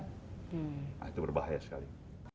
nah itu berbahaya sekali